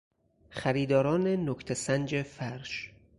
خریداران نکته سنج فرش